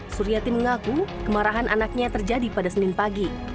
suryati mengaku kemarahan anaknya terjadi pada senin pagi